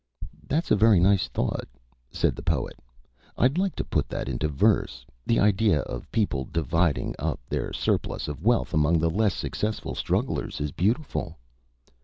"That's a very nice thought," said the Poet. "I'd like to put that into verse. The idea of a people dividing up their surplus of wealth among the less successful strugglers is beautiful."